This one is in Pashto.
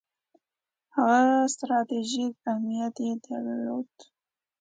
هغه ستراتیژیک اهمیت یې درلود.